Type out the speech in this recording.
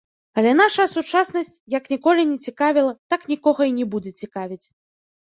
Але нашая сучаснасць, як ніколі не цікавіла, так нікога і не будзе цікавіць.